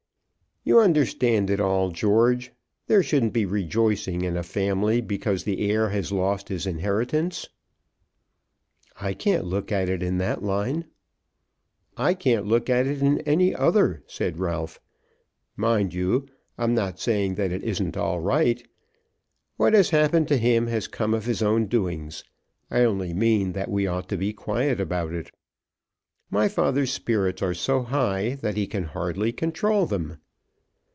"You understand it all, George. There shouldn't be rejoicing in a family because the heir has lost his inheritance." "I can't look at it in that line." "I can't look at it in any other," said Ralph. "Mind you, I'm not saying that it isn't all right. What has happened to him has come of his own doings. I only mean that we ought to be quiet about it. My father's spirits are so high, that he can hardly control them."